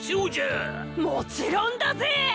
もちろんだぜ！